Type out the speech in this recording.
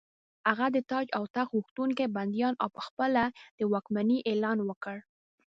هغه د تاج او تخت غوښتونکي بندیان او په خپله د واکمنۍ اعلان وکړ.